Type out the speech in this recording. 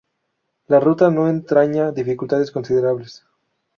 La ruta no entraña dificultades considerables.